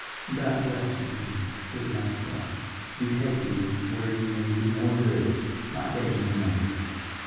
"God bless you, then, good Maxwell; betake you where you may do more good my days are numbered.